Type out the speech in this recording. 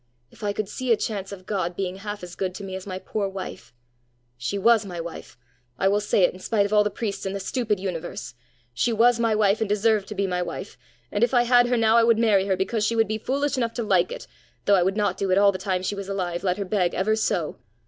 If I could see a chance of God being half as good to me as my poor wife. She was my wife! I will say it in spite of all the priests in the stupid universe! She was my wife, and deserved to be my wife; and if I had her now, I would marry her, because she would be foolish enough to like it, though I would not do it all the time she was alive, let her beg ever so!